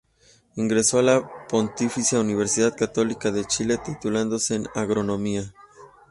Ingresó a la Pontificia Universidad Católica de Chile titulándose en agronomía.